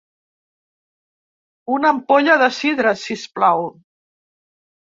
Una ampolla de sidra, sisplau.